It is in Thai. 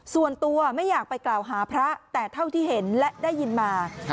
ส่วนตัวไม่อยากไปกล่าวหาพระแต่เท่าที่เห็นและได้ยินมา